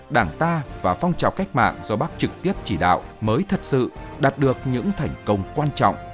là phong trào cách mạng do bác trực tiếp chỉ đạo mới thật sự đạt được những thành công quan trọng